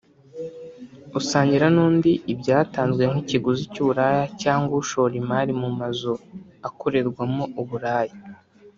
usangira n’undi ibyatanzwe nk’ikiguzi cy’uburaya cyangwa ushora imari mu mazu akorerwamo uburaya